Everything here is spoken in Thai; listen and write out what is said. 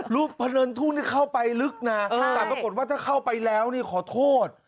เพลินทุ่งนี่เข้าไปลึกนะแต่ปรากฏว่าถ้าเข้าไปแล้วนี่ขอโทษ